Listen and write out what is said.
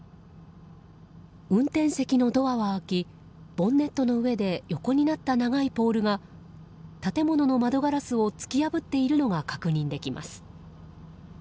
運転席のドアは開きボンネットの上で横になった長いポールが建物のガラスを突き破っているのが確認できます。